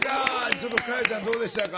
ちょっと佳代ちゃんどうでしたか？